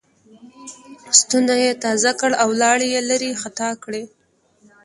ستونی یې تازه کړ او لاړې یې لېرې خطا کړې.